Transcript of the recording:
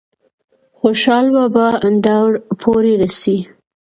خوشحال بابا دور پورې رسي ۔